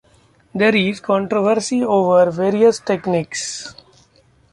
There is controversy over various techniques.